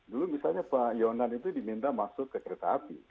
dulu misalnya pak yonan itu diminta masuk ke kereta api